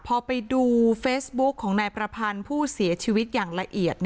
พอไปดูเฟซบุ๊กของนายประพันธ์ผู้เสียชีวิตอย่างละเอียด